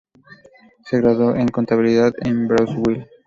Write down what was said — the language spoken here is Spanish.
Se graduó en contabilidad en Brazzaville.